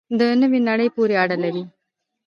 نوې نړۍ پورې اړه لري.